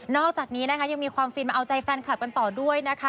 อกจากนี้นะคะยังมีความฟินมาเอาใจแฟนคลับกันต่อด้วยนะคะ